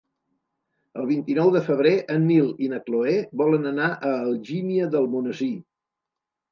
El vint-i-nou de febrer en Nil i na Cloè volen anar a Algímia d'Almonesir.